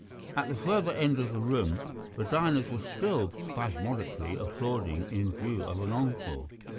At the further end of the room the diners were still spasmodically applauding in view of an encore.